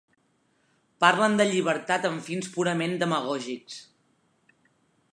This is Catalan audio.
Parlen de llibertat amb fins purament demagògics.